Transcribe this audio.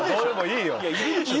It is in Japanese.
いるでしょ